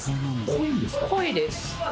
濃いです。